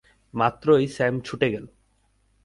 মাত্রই স্যাম ছুটে গেল।